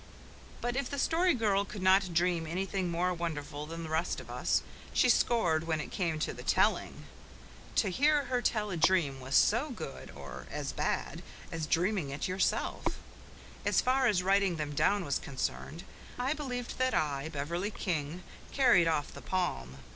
But if the Story Girl could not dream anything more wonderful than the rest of us, she scored when it came to the telling. To hear her tell a dream was as good or as bad as dreaming it yourself. As far as writing them down was concerned, I believe that I, Beverley King, carried off the palm.